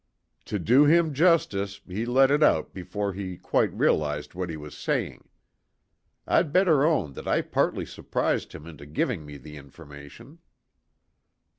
"To do him justice, he let it out before he quite realised what he was saying. I'd better own that I partly surprised him into giving me the information."